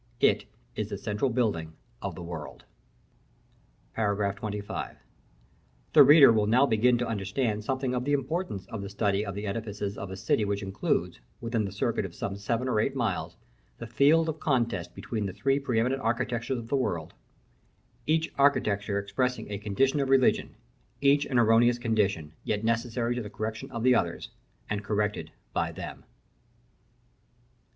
It is the central building of the world. § XXV. The reader will now begin to understand something of the importance of the study of the edifices of a city which includes, within the circuit of some seven or eight miles, the field of contest between the three pre eminent architectures of the world: each architecture expressing a condition of religion; each an erroneous condition, yet necessary to the correction of the others, and corrected by them.